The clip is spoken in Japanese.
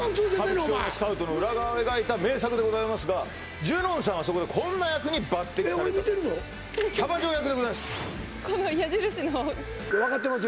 お前歌舞伎町のスカウトの裏側を描いた名作でございますがＪＵＮＯＮさんはそこでこんな役に抜てきされたとえっ俺見てるよキャバ嬢役でございます